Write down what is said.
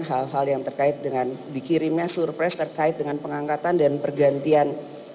hal hal yang terkait dengan dikirimnya surprise terkait dengan pengangkatan dan pergantian